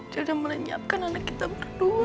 dia udah melenyapkan anak kita berdua